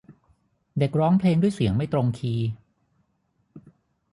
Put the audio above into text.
เด็กร้องเพลงด้วยเสียงไม่ตรงคีย์